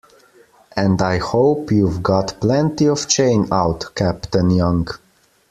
And I hope you've got plenty of chain out, Captain Young.